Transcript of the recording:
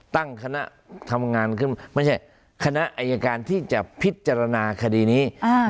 ตั้งคณะทำงานขึ้นไม่ใช่คณะอายการที่จะพิจารณาคดีนี้